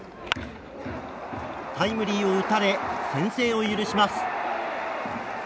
タイムリーを打たれ先制を許します。